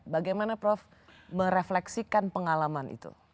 bagaimana prof merefleksikan pengalaman itu